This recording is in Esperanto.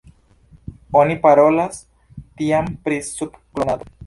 Oni parolas tiam pri sub-klonado.